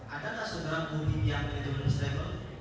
adakah saudara mungkin yang mencoba mengembalikan